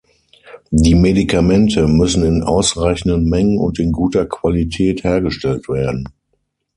Die Medikamente müssen in ausreichenden Mengen und in guter Qualität hergestellt werden.